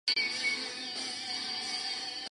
百年厅位于现波兰弗罗茨瓦夫。